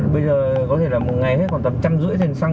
bây giờ có thể là một ngày hết khoảng tầm một trăm năm mươi tiền xăng